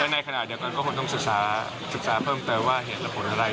ในขณะเดียวกันก็คงต้องศึกษาเพิ่มเติมว่าเหตุและผลอะไร